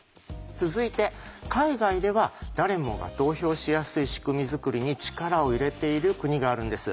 続いて海外では誰もが投票しやすい仕組み作りに力を入れている国があるんです。